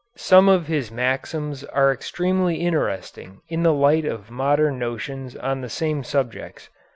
Some of his maxims are extremely interesting in the light of modern notions on the same subjects.